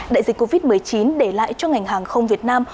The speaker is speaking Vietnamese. đại dịch covid một mươi chín để lại cho ngành hàng không việt nam